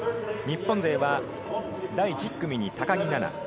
日本勢は第１０組に高木菜那。